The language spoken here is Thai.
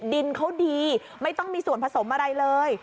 ดินเขาดีไม่ต้องมีส่วนผสมอะไรเลย